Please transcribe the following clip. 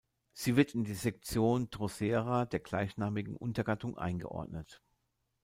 Sie wird in die Sektion "Drosera" der gleichnamigen Untergattung eingeordnet.